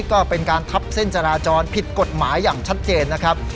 ก็เป็นการทับเส้นจราจรผิดกฎหมายอย่างชัดเจนนะครับ